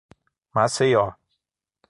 Maceió